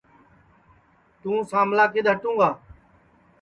توں ساملا کِدؔ ہٹوں گا